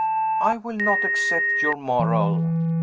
"I will not accept your moral!"